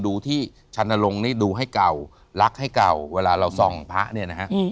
ดูที่ชะนระลงเนี่ยดูให้เก่าลักษณ์ให้เก่าเวลาเราส่องพระนะฮะ